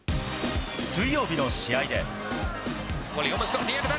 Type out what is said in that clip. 水曜日の試合で。